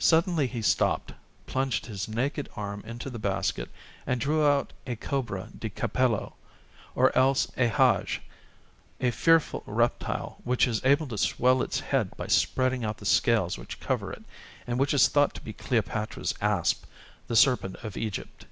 Suddenly he stopped, plunged his naked arm into the basket, and drew out a cobra de capello, or else a haje, a fearful reptile which is able to swell its head by spreading out the scales which cover it, and which is thought to be Cleopatra's asp, the serpent of Egypt.